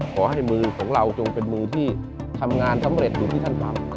ขอให้มือของเราจงเป็นมือที่ทำงานสำเร็จอยู่ที่ท่านทำ